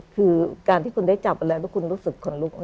คือการที่คุณได้จับอะไรแล้วคุณรู้สึกขนลุก